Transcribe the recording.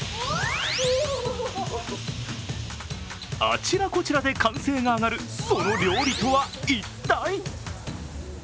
あちらこちらで歓声が上がる、その料理とは一体？